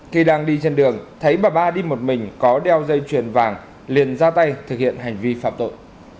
khi đang đi trên đường thấy bà ba đi một mình có đeo dây chuyền vàng liền ra tay thực hiện hành vi phạm tội